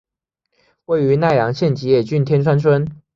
位在奈良县吉野郡天川村。